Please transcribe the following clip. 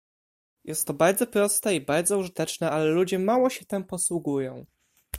"Jest to bardzo proste i bardzo użyteczne, ale ludzie mało się tem posługują."